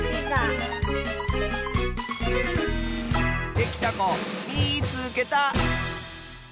できたこみいつけた！